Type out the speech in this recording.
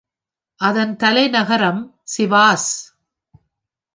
அதன் தலைநகரம் சிவாஸ்.